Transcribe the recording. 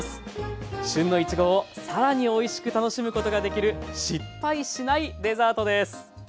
旬のいちごを更においしく楽しむことができる失敗しないデザートです。